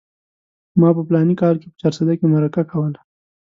ما په فلاني کال کې په چارسده کې مرکه کوله.